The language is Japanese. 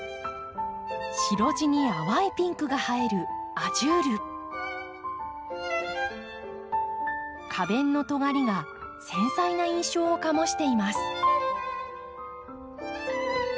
白地に淡いピンクが映える花弁のとがりが繊細な印象を醸しています。